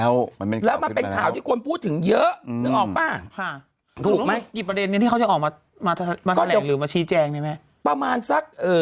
วินาทีนี้เอาพูดไหมล่ะ